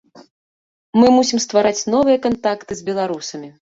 Мы мусім ствараць новыя кантакты з беларусамі.